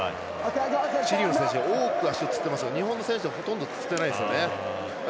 チリの選手多く足をつってますが日本の選手ほとんどつってないですよね。